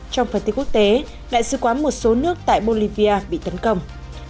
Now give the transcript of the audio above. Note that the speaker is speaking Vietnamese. trong phần tiết quốc tế đại sứ quán một số nước tại bolivia bị tấn công